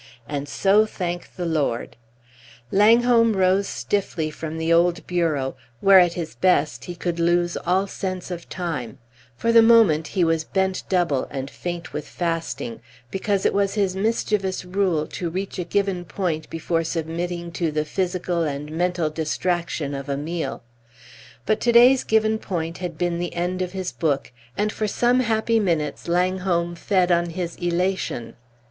And so, thank the Lord! Langholm rose stiffly from the old bureau, where at his best he could lose all sense of time; for the moment he was bent double, and faint with fasting, because it was his mischievous rule to reach a given point before submitting to the physical and mental distraction of a meal. But to day's given point had been the end of his book, and for some happy minutes Langholm fed on his elation.